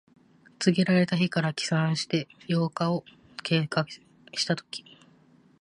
告げられた日から起算して八日を経過したとき。